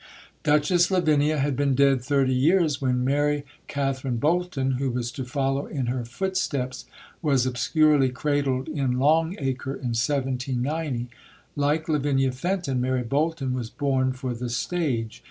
Duchess Lavinia had been dead thirty years when Mary Catherine Bolton, who was to follow in her footsteps, was obscurely cradled in Long Acre in 1790. Like Lavinia Fenton, Mary Bolton was born for the stage.